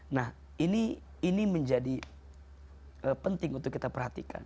nah ini menjadi penting untuk kita perhatikan